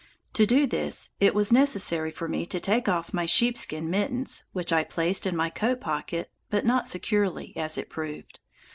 To do this it was necessary for me to take off my sheepskin mittens, which I placed in my coat pocket, but not securely, as it proved.